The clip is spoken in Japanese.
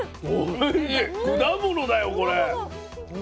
果物だよこれ。